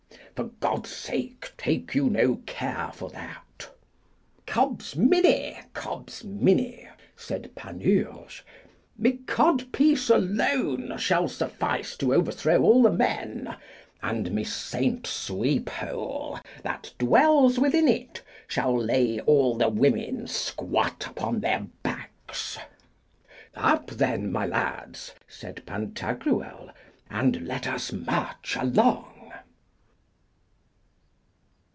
For God's sake, take you no care for that. Cobsminny, cobsminny, said Panurge; my codpiece alone shall suffice to overthrow all the men; and my St. Sweephole, that dwells within it, shall lay all the women squat upon their backs. Up then, my lads, said Pantagruel, and let us march along.